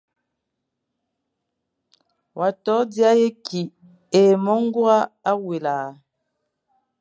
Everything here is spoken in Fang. Wa to dia ye kî e mo ñgura awela ?